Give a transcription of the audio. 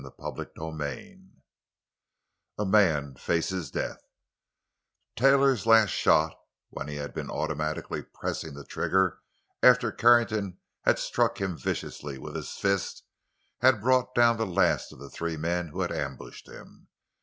CHAPTER XXI—A MAN FACES DEATH Taylor's last shot, when he had been automatically pressing the trigger after Carrington had struck him viciously with his fist, had brought down the last of the three men who had ambushed him.